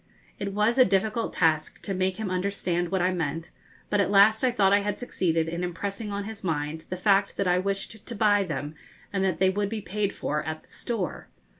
It was a difficult task to make him understand what I meant, but at last I thought I had succeeded in impressing on his mind the fact that I wished to buy them, and that they would be paid for at the store.